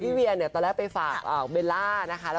พี่เวียตอนแรกไปฝากเบลลานะคะ